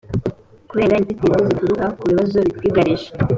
kurenga inzitizi zituruka ku bibazo bitwugarije